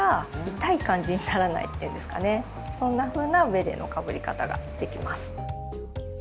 そんなふうなベレーのかぶり方ができます。